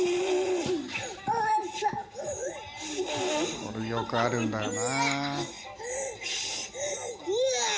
これ、よくあるんだよな。